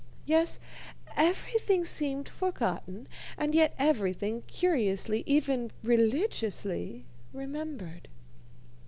Yes, everything seemed forgotten and yet everything, curiously even religiously remembered.